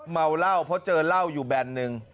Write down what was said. เมาเหล้าเพราะเจอเหล้าอยู่แบนหนึ่ง